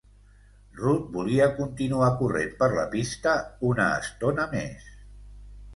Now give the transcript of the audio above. Ruth volia continuar corrent per la pista una estona més.